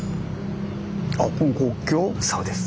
そうです。